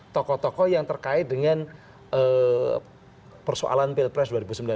tokoh tokoh yang terkait dengan persoalan pilpres dua ribu sembilan belas